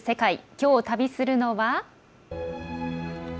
きょう、旅するのは。